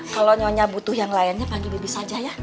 kalau nyonya butuh yang lainnya pasang aja ya